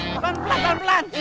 pelan pelan pelan pelan